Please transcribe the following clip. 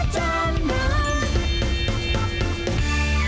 ขอให้ได้